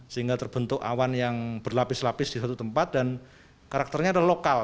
sehingga terbentuk awan yang berlapis lapis di satu tempat dan karakternya adalah lokal